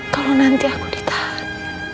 kalau nanti aku ditahan